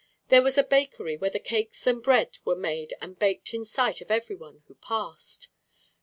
There was a bakery where the cakes and bread were made and baked in sight of everyone who passed.